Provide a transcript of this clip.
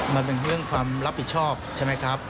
มันเป็นเรื่องความรับผิดชอบใช่ไหมครับ